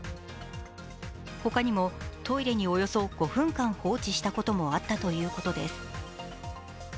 他にも、トイレにおよそ５分間放置したこともあったということです。